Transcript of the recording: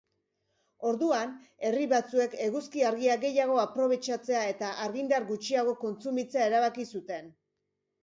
Orduan, herri batzuek eguzki-argia gehiago aprobetxatzea eta argindar gutxiago kontsumitzea erabaki zuten.